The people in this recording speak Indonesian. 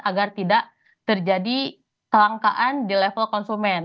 agar tidak terjadi kelangkaan di level konsumen